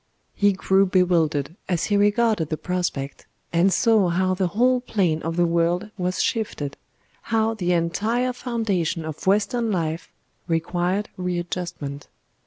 He grew bewildered as he regarded the prospect, and saw how the whole plane of the world was shifted, how the entire foundation of western life required readjustment.